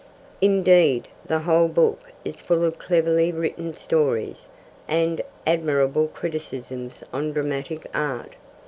Indeed, the whole book is full of cleverly written stories, and admirable criticisms on dramatic art.